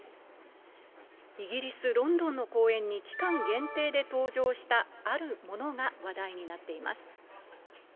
イギリス・ロンドンの公園に期間限定で登場した、あるものが話題になっています。